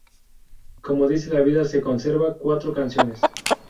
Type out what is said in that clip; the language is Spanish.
Cómo dice la vida, se conservan cuatro canciones.